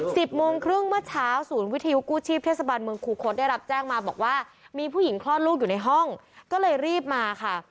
สิบโมงครึ่งเมื่อเช้าศูนย์วิทยุกู้ชีพเทศบาลเมืองคูคศได้รับแจ้งมาบอกว่ามีผู้หญิงคลอดลูกอยู่ในห้องก็เลยรีบมาค่ะ